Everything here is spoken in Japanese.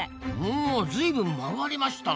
おずいぶん曲がりましたな。